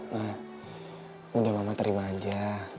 nah udah mama terima aja